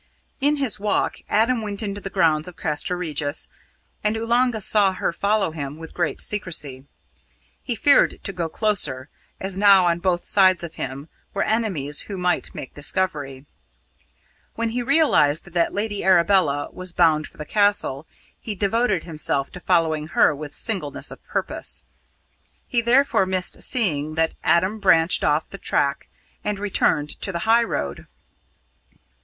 In his walk, Adam went into the grounds of Castra Regis, and Oolanga saw her follow him with great secrecy. He feared to go closer, as now on both sides of him were enemies who might make discovery. When he realised that Lady Arabella was bound for the Castle, he devoted himself to following her with singleness of purpose. He therefore missed seeing that Adam branched off the track and returned to the high road.